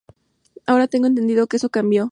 Ahora tengo entendido que eso cambió.